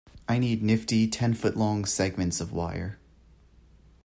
I need fifty ten-foot-long segments of wire.